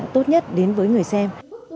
tốt nhất đến với người xem